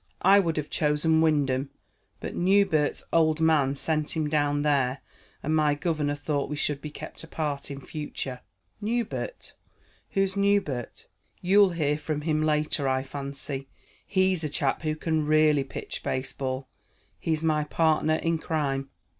I would have chosen Wyndham, but Newbert's old man sent him down there, and my governor thought we should be kept apart in future." "Newbert? Who's Newbert?" "You'll hear from him later, I fancy. He's a chap who can really pitch baseball. He's my partner in crime."